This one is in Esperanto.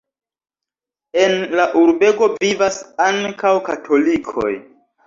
En la urbego vivas ankaŭ katolikoj.